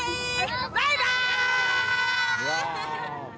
バイバイ！